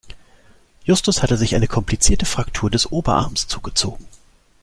Justus hatte sich eine komplizierte Fraktur des Oberarms zugezogen.